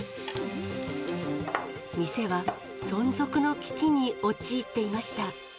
店は存続の危機に陥っていました。